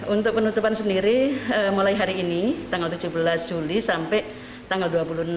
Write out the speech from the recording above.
untuk penutupan sendiri mulai hari ini tanggal tujuh belas juli sampai tanggal dua puluh enam